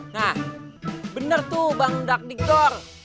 nah bener tuh bang dagdiktor